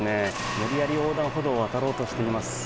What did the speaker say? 無理やり横断歩道を渡ろうとしています。